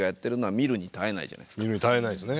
見るに堪えないですね。